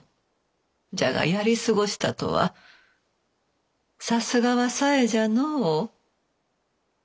じゃがやり過ごしたとはさすがは紗江じゃのう。